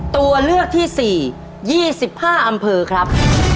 ตัวเลือกที่๔๒๕อำเภอครับ